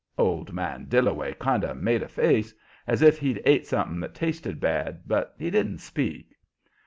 Old man Dillaway kind of made a face, as if he'd ate something that tasted bad, but he didn't speak.